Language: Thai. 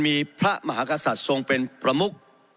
มีพระมหากษัตริย์ทรงเป็นประมุก